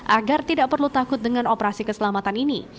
agar tidak perlu takut dengan operasi keselamatan ini